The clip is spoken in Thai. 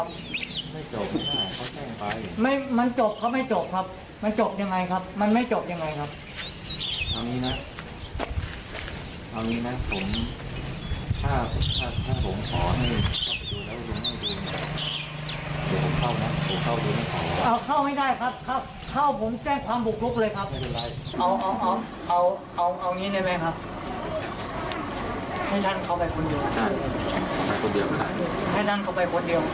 ตำรวจเจรจา๓ชั่วโมงนะสามชั่วโมงสามชั่วโมงถึงจะยอมให้เข้าไป